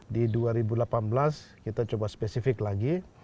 di dua ribu delapan belas kita coba spesifik lagi